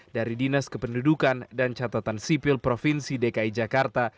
dari dinas kependudukan dan catatan sipil provinsi dki jakarta